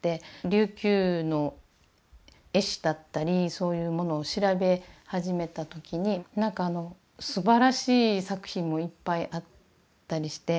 琉球の絵師だったりそういうものを調べ始めた時になんかあのすばらしい作品もいっぱいあったりして。